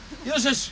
よし。